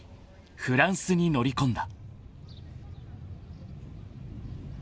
フランスに乗り込んだ］